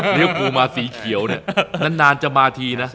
เรียกกูมาสีเขียวเนี่ยนั้นนานจะมาทีนะ